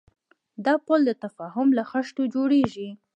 دا پُل د تفاهم له خښتو جوړېږي.